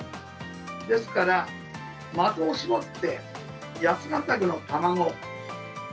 ですから、的を絞って、八ヶ岳のたまご。